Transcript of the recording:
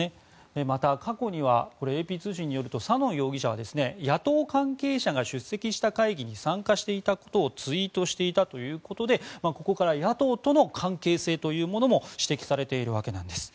また、過去にはＡＰ通信によりますとサノン容疑者は野党関係者が出席した会議に参加していたことをツイートしていたということでここから野党との関係性も指摘されているんです。